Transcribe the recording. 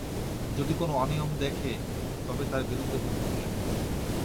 যদি কোন অনিয়ম দেখে তবে তার বিরুদ্ধে মুখ খোলে।